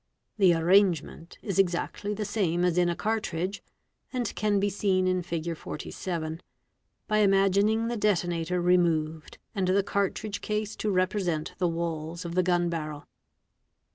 The arrangement is exactly the same as in a cartridge and can be seen in Fig. 47 by imagining the detonator removed and the cartridge case to represent the walls of the gun barrel.